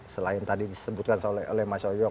selain tadi disebutkan oleh mas yoyo